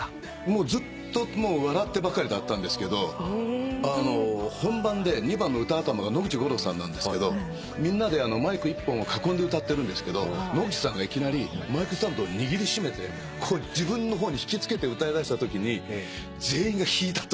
もうずっと笑ってばっかりだったんですけど本番で２番の歌頭が野口五郎さんなんですけどみんなでマイク１本を囲んで歌ってるんですけど野口さんがいきなりマイクスタンドを握り締めてこう自分の方に引きつけて歌いだしたときに全員が弾いたというね。